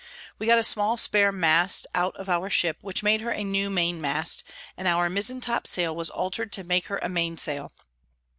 We got a small spare Mast out of our Ship, which made her a new Main Mast, and our Mizen top Sail was alter'd to make her a Main Sail.